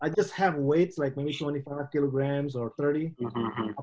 dengan beratnya seperti saya hanya memiliki berat mungkin dua puluh lima kg atau tiga puluh